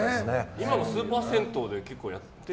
今もスーパー銭湯で結構やってる？